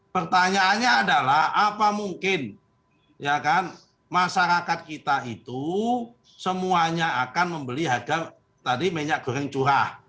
pertanyaannya adalah apa mungkin masyarakat kita itu semuanya akan membeli harga tadi minyak goreng curah